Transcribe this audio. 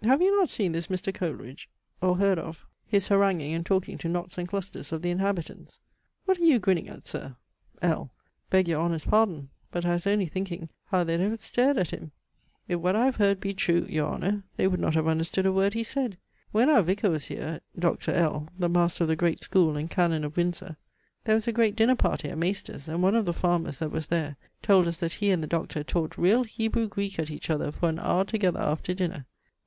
D. Have you not seen this Mr. Coleridge, or heard of, his haranguing and talking to knots and clusters of the inhabitants? What are you grinning at, Sir? L. Beg your Honour's pardon! but I was only thinking, how they'd have stared at him. If what I have heard be true, your Honour! they would not have understood a word he said. When our Vicar was here, Dr. L. the master of the great school and Canon of Windsor, there was a great dinner party at maister's; and one of the farmers, that was there, told us that he and the Doctor talked real Hebrew Greek at each other for an hour together after dinner.